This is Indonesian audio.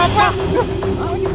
ini apaan tuh